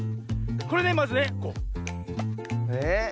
これねまずね。え？